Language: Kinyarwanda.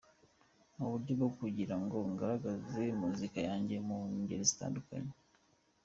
mu buryo bwo kugira ngo ngaragaze muzika yanjye mu ngeri zitandukanye.